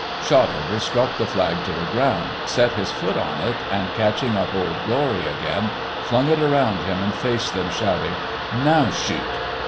Shotover struck the flag to the ground, set his foot on it, and catching up Old Glory again, flung it round him and faced them, shouting: "_Now shoot!